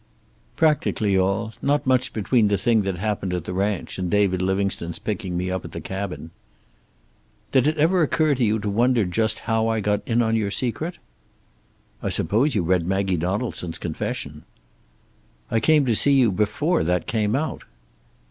"Practically all. Not much between the thing that happened at the ranch and David Livingstone's picking me up at the cabin." "Did it ever occur to you to wonder just how I got in on your secret?" "I suppose you read Maggie Donaldson's confession." "I came to see you before that came out."